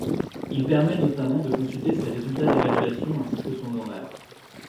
Il permet notamment de consulter ses résultats d'évaluation ainsi que son horaire.